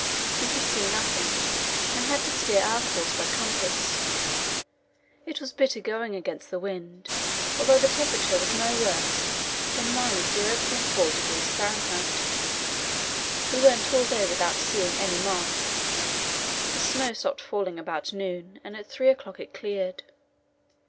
We could see nothing, and had to steer our course by compass. It was bitter going against the wind, although the temperature was no worse than 0.4° F. We went all day without seeing any mark. The snow stopped falling about noon, and at three o'clock it cleared.